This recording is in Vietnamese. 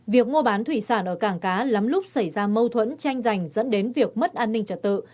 việc mua bán thủy sản ở cảng cá lắm lúc xảy ra mâu thuẫn tranh giành dẫn đến việc mất an ninh trật tự